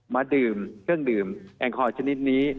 มาดื่มเครื่องดื่มแอลกอฮอลชนิดนี้